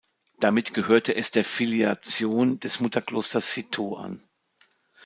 Damit gehörte es der Filiation des Mutterklosters Citeaux an.